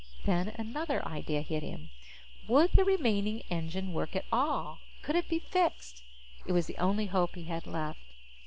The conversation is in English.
Then another idea hit him. Would the remaining engine work at all? Could it be fixed? It was the only hope he had left.